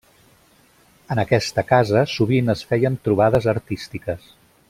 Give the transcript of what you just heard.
En aquesta casa sovint es feien trobades artístiques.